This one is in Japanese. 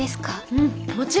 うんもちろん。